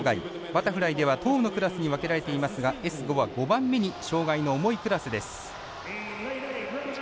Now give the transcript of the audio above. バタフライでは１０のクラスに分けられていますがＳ５は５番目に障がいの重いクラスです。